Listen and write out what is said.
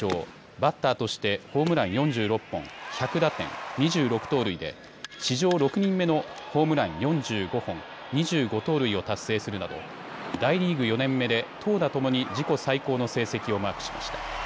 バッターとしてホームラン４６本、１００打点、２６盗塁で史上６人目のホームラン４５本、２５盗塁を達成するなど大リーグ４年目で投打ともに自己最高の成績をマークしました。